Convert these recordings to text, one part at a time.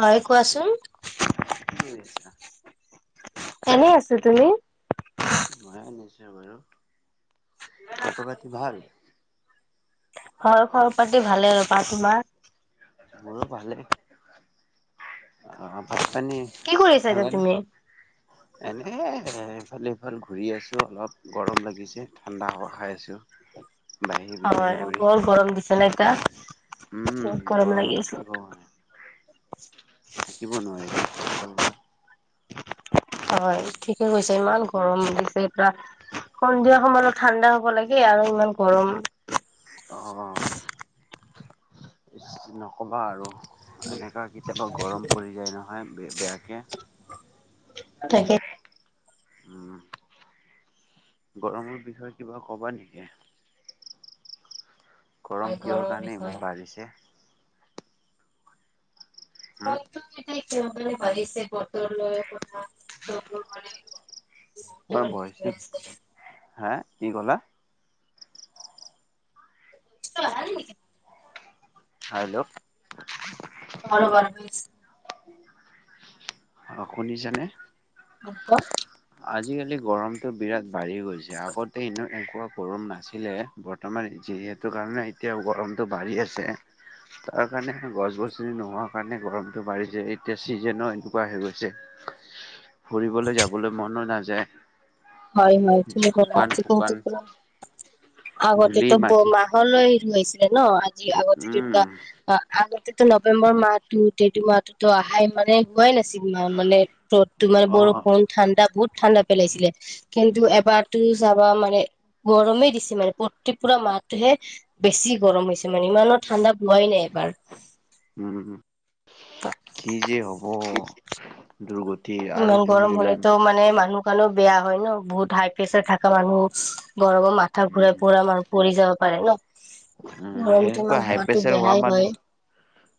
হয় কোৱাচোন? কি কৰি আছা। এনেই আছো তুমি। মই এনে আছো বাৰু, খবৰ পাতি ভাল। হয়, খবৰ পাতি ভালে ৰ'বা তোমাৰ। মোৰো ভালে। অ', ভাত পানী কি কৰি আছা এতিয়া খালানে। তুমি? এনে এ ইফালে সিফাল ঘূৰি আছো অলপ গৰম লাগিছে ঠাণ্ডা হাৱা খাই আছোঁ। অ', হয়, বৰ গৰম দিছে ন এটা। উম, গৰমত থাকিব [unintelligible] থাকিব নোৱাৰি, [unintelligible] হয়, উম ঠিকে কৈছে ইমান গৰম দিছে এটা, সন্ধিয়া সময়ত ঠাণ্ডা হ'ব লাগে আৰু ইমান গৰম অ', নক'বা আৰু। এনেকা কেতিয়াবা গৰম পৰি যায় ন। ইমান বেয়া বেয়াকে। তাকে। উম, গৰমৰ বিষয়ে কিবা ক'বা নেকি। হয় গৰম কিহৰ গৰমৰ কাৰণে বিষয়ে ইমান বাঢ়িছে। [unintelligible] উম কিহৰ কাৰণে বাঢ়িছে, বতৰ লৈ কথা [unintelligible] হয় তোমাৰ হয় ভইচটো, হে। কি ক'লা। [unintelligible] হেল্ল'। অ', ৰ'বা [unintelligible] অ', শুনিছানে। [unintelligible] আজিকালি গৰমটো বিৰাট বাঢ়ি গৈছে আগতে ইনে এনেকুৱা গৰম নাছিলে বৰ্তমান যিহেতু কাৰণে এতিয়া গৰমটো বাঢ়ি আছে তাৰ কাৰণে গছ গছনি নোহোৱা কাৰণে গৰমটো বাঢ়িছে এতিয়া চিজন হয় বাঢ়ি গৈছে, ফুৰিবলৈ যাবলৈ মনো নাযায়। হয়- হয় ঠিকে ক'লে, শুকান শুকান আজিকালিটো পোৰা ধূলি আগতেটো পুহ মাটি মাহলৈ [unintelligible] চে ন, আজি আগতে উম যেনুকা আ আগতে টো নৱেম্বৰ মাহটো [unintelligible] মাহটোটো অহাই মানে হোৱাই নাছিল ম মানে য'ত তোমাৰ অ বৰষুণ ঠাণ্ডা বহুত ঠাণ্ডা পেলাইছিলে। কিন্তু এবাৰতো চাবা মানে গৰমেই দিছে মানে প্ৰতি পুৰা মাহটোহে বেছি গৰম হৈছে মানে ইমানো ঠাণ্ডা হোৱাই নাই এইবাৰ। উম কি যে হ'ব দুৰ্গ ইমান গৰম হলেতো মানে মানুহ খনো বেয়া হয় ন, বহুত হাই প্ৰেছাৰ থাকা মানুহ। গৰমত মাথা ঘুৰাই উম পৰা ম আৰু পৰি যা হয় ন? উম সেনেকুৱা ধৰণটোমান হোৱাতো হোৱা বেয়াই মানুহ হয়।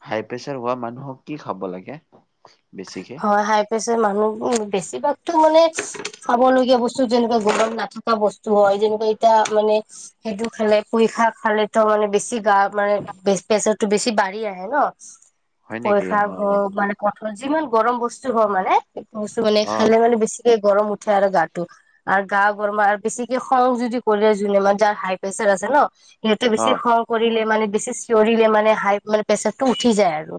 হাই প্ৰেচাৰ হোৱা মানুহক কি খাব লাগে? বেছিকে? হয় হাই প্ৰেছাৰ মানুহ বেছিভাগতো মানে খাব লগীয়া বস্তু যেনেকুৱা গৰম নাথকা বস্তু হয়, যেনেকুৱা এতিয়া মানে, সেইটো খালে পুই শাক খালে ত' মানে বেছি গা মানে বেছ বেছত টো বেছি বাঢ়ি আহে ন? হয় নেকি পইচা অ হওক মানে ক যিমান গৰম বস্তু হয় মানে স্তু মানে অ খালে মানে বেছি কে গৰম উঠে আৰু গাটো, আৰু গা গৰমৰ আৰু বেছিকে খং যদি কৰিলে যোনে মানে যাৰ হাই প্ৰেচাৰ আছে ন, সিহঁতে অ বেছি খং কৰিলে মানে বেছি চিঞৰিলে মানে হাই মানে প্ৰেচাৰটো উঠি যায় আৰু।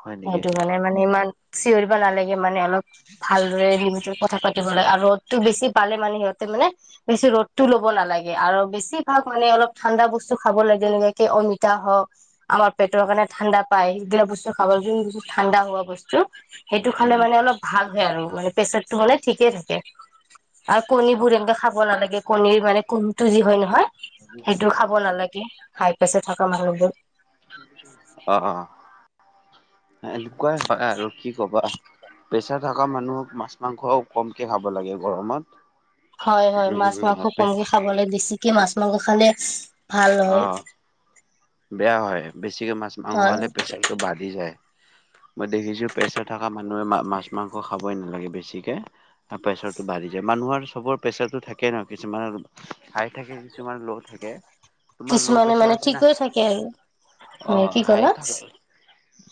হয় নেকি সেইটো কাৰণে মানে ইমান চিঞৰিব নালাগ সিমানে অলপ ভালদৰে [unintelligible] যদি কথা পাতিব লাগে আৰু ৰ'দটো বেছি পালে মানে সিহতে মানে বেছি ৰ'দটো ল'ব নালাগে আৰু বেছিভাগ মানে অলপ ঠাণ্ডা বস্তু খাব লাগে যেনেকে অমিতা হওঁক, আমাৰ পেটৰ কাৰণে ঠাণ্ডা পায়, সেইগিলা বস্তু খাব লাগে যোন বোৰ ঠাণ্ডা হোৱা বস্তু [inaudible] সেইটো খালে উম মানে অলপ ভাল সেয়ে আৰু মানে প্ৰেছাৰটো হ'লে ঠিকেই থাকে। আৰু অ কণীবোৰ এনকে খাব নালাগে কণীৰ মানে কোহুমটো যি হয় নহয় সেইটো খাব নালাগে। হাইপেছাৰ থকা মানুহবোৰ অ', এনেকুৱাই হয় আৰু কি কবা, প্ৰেচাৰ থকা মানুহক মাছ মাংস কমকে খাব লাগে, গৰমত হয়, হয়, মাছ উম মাংস আপে কমকে খাব লাগে, বেছিকে মাছ মঙহ খালে ভাল অ নহয়। বেয়া হয়, বেছি ছিকে মাছ মাংস খালে প্ৰেছাৰটো বাঢ়ি যায়। মই দেখিছোঁ প্ৰেছাৰ থকা মানুহে মাছ মাংস খাবই নালাগে। বেছিকে আৰু প্ৰেছাৰটো বাঢ়ি যায় মানুহৰ চবৰ প্ৰেছাৰটো থাকেই ন কিছুমানৰ। হাই থাকে কিছুমান ল' থাকে। তোমাৰ ল' কিছুমানে প্ৰেচাৰ মানে আছে ঠিক না হৈ থাকে আৰু অ, হয় কি হাই ক'লা থাকে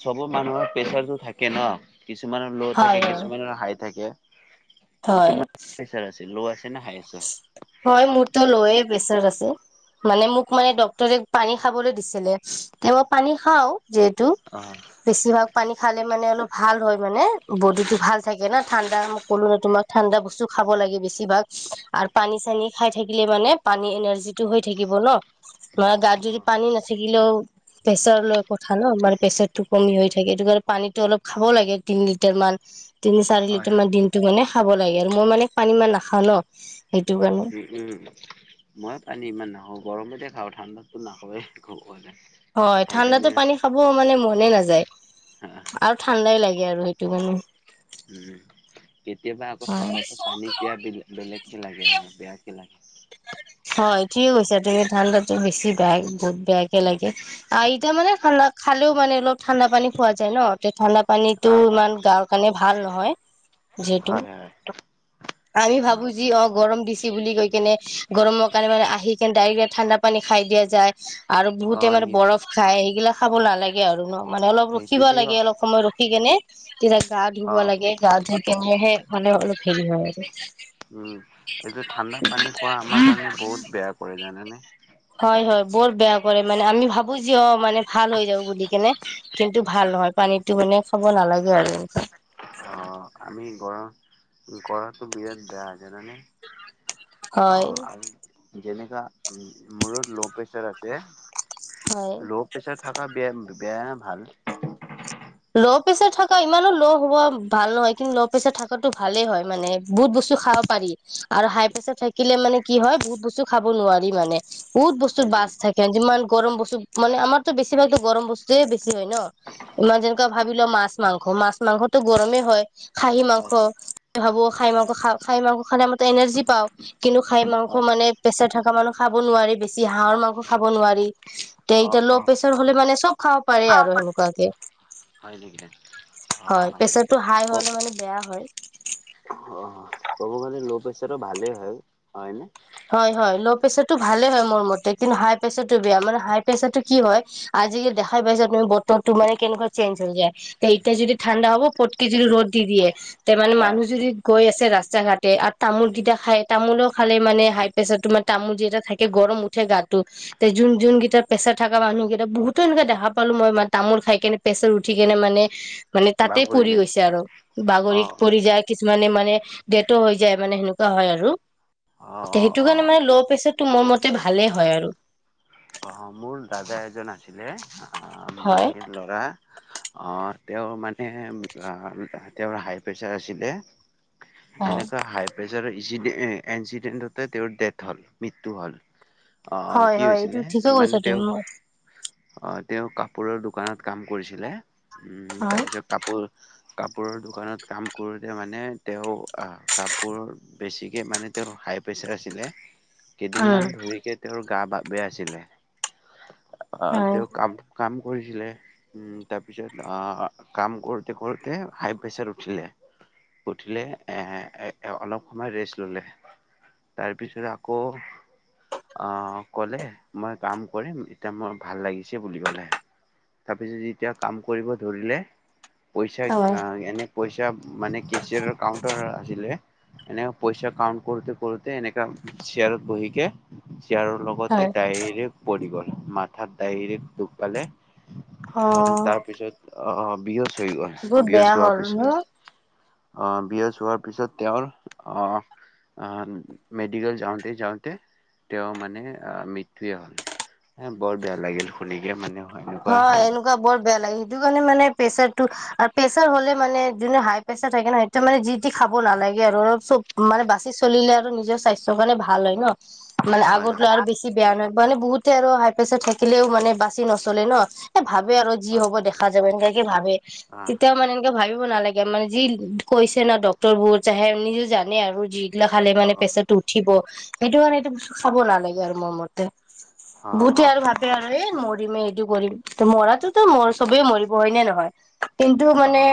চবৰ মানুহৰ প্ৰেচাৰটো থাকে। থাকে ন। কিছুমানৰ ল' হয় থাকে হয় কিছুমানৰ হাই থাকে। হয় তোমাৰ পেচাৰ আছিল ল আছে। নে হাই আছে? হয় মোৰতো ল, য়ে। প্ৰেচাৰ আছে মানে মোক মানে ডক্টৰে পানী খাবলৈ দিছিলে তে মই পানী খাওঁ। যিহেতু অ', বেছিভাগ পানী খালে মানে অলপ ভাল হয়। মানে বডিটো ভাল থাকে ন? ঠাণ্ডা মই ক'লোৱে তোমাক ঠাণ্ডা বস্তু খাব লাগে। বেছিভাগ। আৰু পানী চানী খাই থাকিলে, মানে পানী এনাৰ্জিটো হৈ থাকিব ন। তোমাৰ গাত যদি অ', পানী নাথাকিলেও। প্ৰেছাৰ লৈ কথা ন? মানে প্ৰেচাৰটো কমি হৈ থাকে সিটো কাৰণে পানীটো অলপ খাব লাগে তিনি লিটাৰ মান। তিনি চাৰি হয়, লিটাৰ হয়। মান দিনটো মানে। খাব লাগে। মই মানে পানী ইমান নাখাওঁ ন। উ [inaudible] উম উম মই পানী ইমান নাখাওঁ। অ গৰমতে খাওঁ ঠাণ্ডাতটো নাখায়েই। হয় ঠাণ্ডাতো পানী খাব মানে মনেই নাযায়। আৰু ঠাণ্ডাই লাগে আৰু তোমালো উম কেতিয়াবা আকৌ হয় ঠাণ্ডাতো পানী পিয়াহ বি বেলেগ লাগে আ বেয়াকে লা-। হয় ঠকেই কৈছা তুমি। ঠাণ্ডাটো বেছি বেয়া বহুত বেৱাকে লাগে। আৰু এতিয়া মানে ঠাণ্ডা খালেও মানে অলপ ঠাণ্ডা পানী খোৱা যায় ন, ঠাণ্ডাত পানীটো অ', অ', ইমান গাৰ কাৰণে ভাল নহয়। যিহেতু হয়, হয়। আমি ভাবো অ', যি হক গৰম দিছে। কি বুলি কৈ কেনে গৰমৰ কাৰণে মানে আহি কেনে ডাইৰেক্ ঠাণ্ডা পানী খাই দিয়া যায়। আৰু বহুতে অ', মানে সি বৰফ খায়। এইগিলাক খাব নালাগে আৰু ন। মানে অলপ সেইটো ৰখিব দিও লাগে। অলপ সময় ৰখি কেনে তেতিয়া গা ধুব অ', লাগে। গা ধুুই কেনে হে মানে অলপ [inaudible] উম এই যে ঠাণ্ডা পানী খোৱা আমাৰ মানে বহুত বেয়া কৰে জানে নে? হয় হয় বৰ বেয়া মানে আমি ভাবো যি হক মানে ভাল হৈ যাব বুলি কেনে, কিন্তু ভাল নহয়। পানীটো মানে খাব নালাগে আৰু। অ', আমি গ়ৰম গ়ৰাটো বিৰাট বেয়া জানে? অ হয় [inaudible] সেইদিনা মোৰু ল' প্ৰেছাৰ আছে হয় ল' প্ৰেচাৰ থকা বেয়া কিন্তু। বেয়া, ভাল ল' প্ৰেচাৰ থকা ইমানো ল' হুৱা ভাল নহয়। কিন্তু ল' প্ৰেচাৰ থকাটো ভালেই হয়, মানে বহুত বস্তু খাব পাৰি। আৰু হাই প্ৰেছাৰ থাকিলে মানে কি হয় বহুত বস্তু খাব নোৱাৰি মানে। বহুত বস্তু হয় বাছ নেকি থাকে যিমান গৰম বস্তু মানে, আমাৰতো বেছি ভাগ গৰম বস্তুয়েই বেছি হয় ন, ইমান যেন ভাবি লোৱা মাছ, মাংস, মাছ মাংসতো গৰমেই হয়। খাহী মাংস হয় ভাবো খাহী মাংস খালে আমি এনাৰ্জি পাওঁ। কিন্তু খাহী মাংস অ মানে প্ৰেছাৰ থকা মানুহে খাব নোৱাৰি। বেছি হাঁহৰ মাংস খাব নোৱাৰি। অ এতিয়া ল' অ প্ৰেচাৰ হলে মানে চব খাব পাৰে আৰু সেনেকুৱাঁকে। হয় [inaudible] হয় প্ৰেচাৰটো হাই ক হলে মানে বেয়া অ হয়। ক'ব গ'লে ল' প্ৰেচাৰো ভালেই হয় হয়নে? হয় হয় ল' প্ৰেচাৰতটো ভালে হয় মোৰ মতে, কিন্তু হাই প্ৰেচাৰতটো বেয়া। মানে হাই প্ৰেচাৰত কি হয় আজিকালি দেখাই পাইছা তুমি। বতৰটো মানে কেনেকুৱা চেঞ্জ হৈ যায়। এতিয়া যদি ঠাণ্ডা হ'ব পতকে যদি ৰ'দ দি দিয়ে। তে মানে অ মানুহ যদি গৈ আছে ৰাস্তা ঘাটে আৰু তামোলো যদি খাই তামোলো খালে মানে হাই প্ৰেচাৰ তো মানে তামোল যেতিয়া থাকে গৰম উঠে গাতো। যোন, যোন কেইটা প্ৰেছাৰ থকা মানুহকেইটা বহুতৰে এনেকে দেখা পালোঁ। মই মানে তামোল খাই কেনে প্ৰেচাৰ উঠি কেনে মানে মানে তাতেই বাগৰি পৰি যায় গৈছে আৰু, অ বাগৰিত পৰি যায় মানে মানে ডেড্ টো হৈ যায় মানে সেনেকুৱা হয় আৰু। অ অ সেইটো অ কাৰণে মানে ল' প্ৰেচাৰটো মোৰ মতে ভালেই হয় আৰু। অ মোৰ দাদা এজন আছিলে। আহ হয় মাহীৰ ল'ৰা। অহ তেওঁৰ মানে আহ তেওঁৰ হাই প্ৰেচাৰ আছিলে। অ এনেকুৱা হাই প্ৰেচাৰ এনচি অহ এনচিডেন্টতে তেওঁৰ ডেথ হল মৃত্যু হ'ল। অ কি হৈছিলে মানে। দে তেওঁ [unintelligible] অ তেওঁ কাপোৰৰ দোকানত কাম কৰিছিলে। উম তাৰপিছত কাপোৰ কাপোৰৰ দোকানত কাম কৰোঁতে মানে তেওঁ আ কাপোৰ বেছিকৈ মানে তেওঁ হাই প্ৰেছাৰ আছিলে। কেইদিনমান উম ধৰিকে তেওঁৰ গা বা বেয়া আছিলে। অ হয় তেওঁ কাম কাম কৰিছিলে ও তাৰপিছত অ কাম কৰোঁতে কৰোঁতে হাই প্ৰেছাৰ উঠিলে উঠিলে এ অলপ সময় ৰেষ্ট ল'লে তাৰপিছত আকৌ অ ক'লে মই কাম কৰিম এতিয়া মোৰ ভাল লাগিছে বুলি ক'লে তাৰ পিছত যেতিয়া কাম কৰিব ধৰিলে। পইচা হয় আ এনে পইচা মানে কেচিয়াৰৰ কাউন্টাৰ আছিলে এনে পইচা কাউন্ট কৰোতে- কৰোতে এনেকে চিয়াৰত বহিকে ইয়াৰৰ লগতে হয় ডাইৰেক্ট গল মাথাত দাইৰেক দুখ পালে। অ হয় তাৰ পিছত অ - অ বিহস হৈ গল বহুত বিহজ বেয়া হোৱা হ'ল ন পিছত অ, বিঅছ হোৱাৰ পিছত তেওৰ অ, আ মেডিকেল যাওতে - যাওতে তেও মানে অ, মৃত্যুৱেই হ'ল। এ বৰ বেয়া লাগিল শুনিকে মানে। হয় এনেকুৱা বৰ বেয়া লাগে। সেইটো কাৰণে মানে প্ৰেছাৰটো প্ৰেছাৰ হ'লে মানে যোনে হাই প্ৰেছাৰ থাকে ন সেইটো মানে যি তি খাব নালাগে আৰু অলপ চব মানে বাচি চলিলে আৰু নিজৰ স্বাস্থ্যৰ কাৰণে ভাল হয় ন। মানে হয় আগত হয় লৈ আৰু বেছি বেয়া নয়। মানে বহুতে আৰু হাই প্ৰেছাৰ থাকিলেও মানে বাচি নচ চলে ন এ ভাবে আৰু যি হয় হব দেখা যাব এনেকে কি ভাবে আহ তেতিয়াও মানে এনেকে ভাবিব। কব নালাগে মানে যি কৈছে ন ডক্তৰ বোৰ চে নিজে জানে আৰু যি। ইগলা খালে অ মানে প্ৰেছাটো উঠিব। সেইটো মানে এইটো বস্তু খাব নালাগে আৰু মোৰ মতে। অ বহুতে অ আৰু ভাবে আৰু এই মোৰ। ৰিমে কৰিম মৰাটোতো চবেই মৰিব হয় নে নহয়। কিন্তু মানে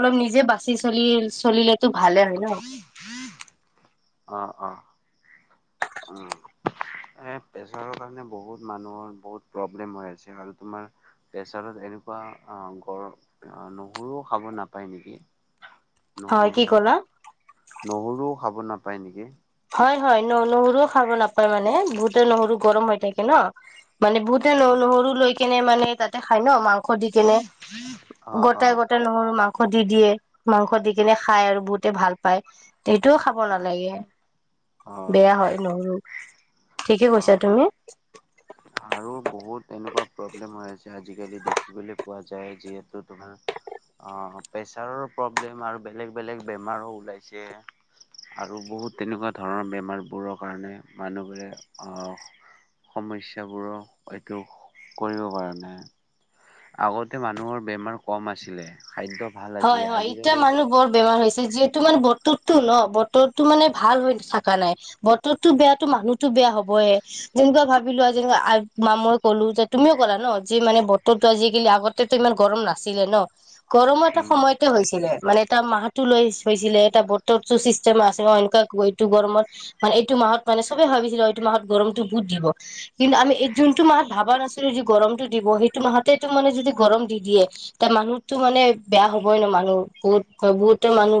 অলপ নিজ যে বাচি চলি চলে তো ভালে হয় ন। অ - অ উম, এনে প্ৰেছোৰৰ কাৰণে বহুত মানুহৰ বহুত প্ৰব্লেম হয় আছে। আৰু তোমাৰ প্ৰেছাৰৰ এনেকুৱা গৰ নহুৰুও খাব নাপায় নেকি। হয় নহৰু কি ক'লা? নহৰুও খাব নাপায় নেকি। হয় - হয় ন নহৰুও খাব নাপায় মানে বহুতে নহৰু গৰম হৈ থাকে ন। মানে বহুতে ন অ নহৰু লৈ খায়। কেনে মানে তাতে খাই ন মাংস। খধি কেনে অ অ গোতে - গোতে নহৰু মাঙ মাংস দি দিয়ে মাংস দি কেনে খাই আৰু বহুতে ভাল পায়। সেইটোও খাব নালাগে। অ বেয়া হয় নহৰু। ঠিকে অ কৈছা তুমি। আৰু বহুত তেনেকুৱা প্ৰব্লেম হৈ আছে আজিকালি দেখিবলৈ পোৱা যায় যিহেতু তোমাৰ প্ৰেছাৰৰো প্ৰব্লেম আৰু বেলেগ বেলেগ বেমাৰো ওলাইছে আৰু বহুত তেনেকুৱা ধৰণৰ বেমাৰবোৰৰ কাৰণে মানুহবোৰে সমস্যাবোৰৰ এইটো কৰিব পৰা নাই আগতে মানুহৰ বেমাৰ কম আছিলে খাদ্য ভাল হয় আছিলে, হয় ইতিয়া আজিকালি মানুহ বৰ বেমাৰ হৈছে যিহেতু মানে বতৰটো ন বতৰটো মানে ভাল হৈ থাকা নাই বতৰটো বেয়াতো মানুহতো বেয়া হবয়ে যেনেকুৱা ভাবিলো আ যেক মামই কলো যে তুমিও ক'লা ন যে মানে বতৰটো আজিকালি আগতেতো ইমান গৰম নাছিলে ন গৰম উম, সময়তে হৈছিলে। মানে এটা মাহতটো লৈ হৈছিলে এটা বতৰতো ছিষ্টেম আছে এনেকুৱা এইটো গৰমত মানে এইটো মাহত মানে চবে ভাবিছিলে এইটো মাহত গৰমতটো বহুত দিব কিন্তু আমি এই যোনটো মাহত ভবা নাছিলো যদি গৰমতটো দিব সেইটো মাহতেতো মানে যদি গৰম দি দিয়ে এ মানুহটো মানে বেয়া হবই ন মানুহ বহুত বহুতে মানুহ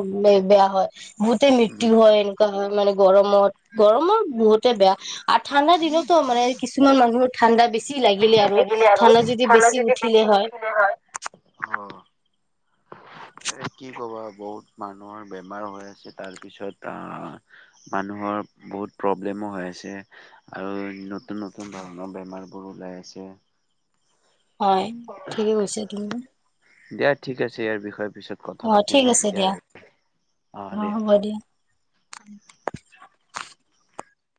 বেয়া হয় বহুতে মৃত্যু উম। হয় এনেকুৱা হয় মানে গৰমত, গৰমত বহুতে বেয়া আৰু ঠাণ্ডা দিনতো মানে কিছুমান মানুহৰ ঠাণ্ডা বেছি লাগিলে আৰু ঠাণ্ডা যদি বেছি উঠিলে হয় অ'। এ কি কবা বহুত মানুহৰ বেমাৰ হৈ আছে তাৰ পিছত আহ মানুহৰ বহুত প্ৰব্লেমো হৈ আছে আৰু নতুন নতুন ধৰণৰ বেমাৰবোৰ ওলাই আছে [inaudible] হয় ঠিকে কৈছে [unintelligible] দিয়া ঠিক আছে ইয়াৰ বিষয় অ ঠিক আছে দিয়া অ হ'ব দিয়া।